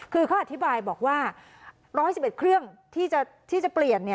คือเขาอธิบายบอกว่า๑๑๑เครื่องที่จะเปลี่ยน